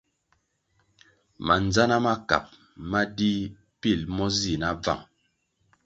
Mandzana makab ma dih pil mo zih na bvang.